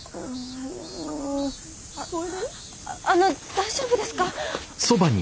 あの大丈夫ですか？